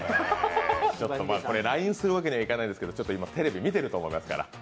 これ、ＬＩＮＥするわけにはいかないですけどちょっと今、テレビ見てると思いますから。